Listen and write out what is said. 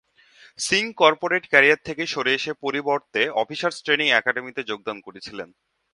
Singh corporate career থেকে সরে এসে পরিবর্তে অফিসার্স ট্রেনিং একাডেমিতে যোগদান করেছিলেন।